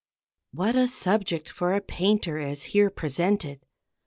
What a subject for a painter is here presented!